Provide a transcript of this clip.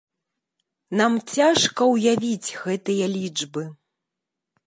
Нам цяжка ўявіць гэтыя лічбы.